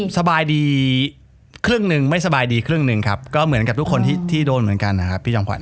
สบายดีครึ่งหนึ่งไม่สบายดีครึ่งหนึ่งครับก็เหมือนกับทุกคนที่โดนเหมือนกันนะครับพี่จอมขวั